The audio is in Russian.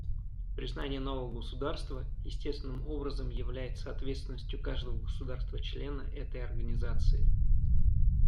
Признание нового государства естественным образом является ответственностью каждого государства-члена этой Организации.